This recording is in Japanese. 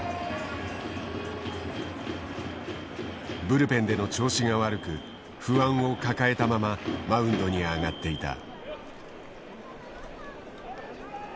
ブルペンでの調子が悪く不安を抱えたままマウンドに上がっていた。